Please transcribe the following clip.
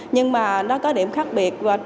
nhưng mà nó có điểm khác biệt